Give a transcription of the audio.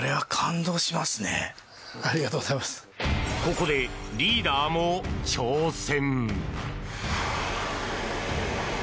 ここで、リーダーも挑戦！